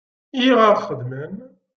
I aɣ-xedmen.